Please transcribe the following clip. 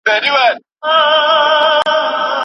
تخلیقي ادب د لیکوال د زړه غږ دئ.